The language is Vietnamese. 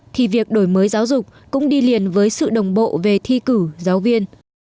thì việc đổi mới giáo dục cũng đi liền với sự đồng bộ về thi cử giáo viên